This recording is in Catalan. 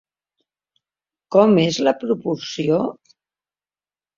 Com és la proporció?